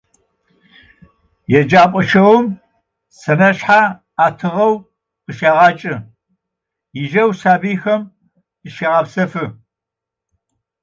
Yêcep'e şagum senaşshe etığeu khışêğeç'ı, yijau sabıyxem zışağepsefı.